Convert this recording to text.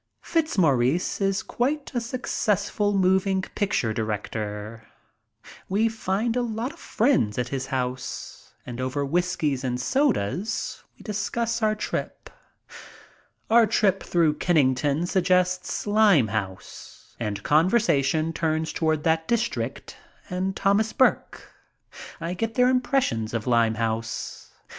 Fitzmaurice is quite a successful moving picture director. We find a lot of friends at his house, and over whiskies and sodas we discuss our trip. Our trip through Kennington suggests Limehouse and conversation turns toward that dis trict and Thomas Burke. I get their impressions of Limehouse.